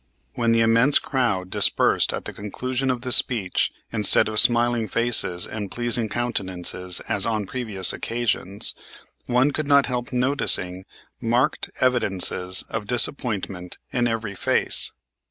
When the immense crowd dispersed at the conclusion of the speech instead of smiling faces and pleasing countenances as on previous occasions, one could not help noticing marked evidences of disappointment in every face.